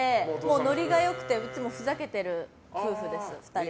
ノリが良くていつもふざけてる夫婦です。